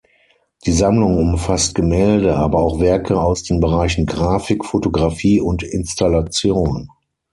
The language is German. Die Sammlung umfasst Gemälde, aber auch Werke aus den Bereichen Grafik, Fotografie und Installation.